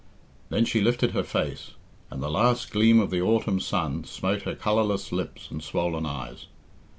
Then she lifted her face, and the last gleam of the autumn sun smote her colourless lips and swollen eyes.